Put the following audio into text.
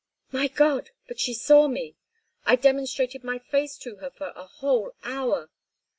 "My God! But she saw me! I demonstrated my face to her for a whole hour.